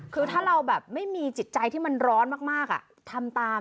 คือถ้าเราแบบไม่มีจิตใจที่มันร้อนมากทำตาม